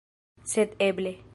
Sed eble...